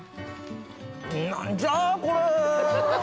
何じゃこれ。